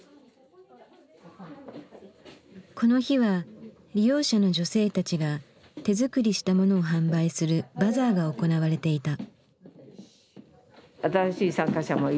この日は利用者の女性たちが手作りしたものを販売するバザーが行われていた。